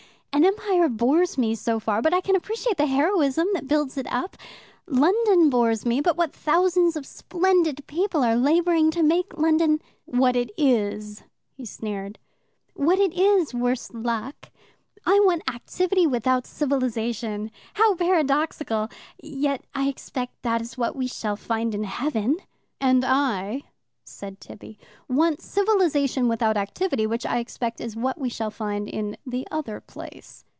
An Empire bores me, so far, but I can appreciate the heroism that builds it up. London bores me, but what thousands of splendid people are labouring to make London " "What it is," he sneered. "What it is, worse luck. I want activity without civilization. How paradoxical! Yet I expect that is what we shall find in heaven." "And I," said Tibby, "want civilization without activity, which, I expect, is what we shall find in the other place."